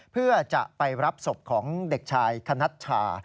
เพื่อจะไปรับศพของเด็กชายคณัชชา